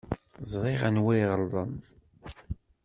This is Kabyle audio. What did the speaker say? Ẓriɣ anwa iɣelḍen.